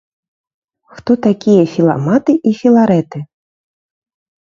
Хто такія філаматы і філарэты?